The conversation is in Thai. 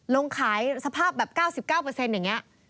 ลงขายสภาพแบบ๙๙อย่างนี้